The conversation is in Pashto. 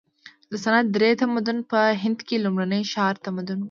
د سند درې تمدن په هند کې لومړنی ښاري تمدن و.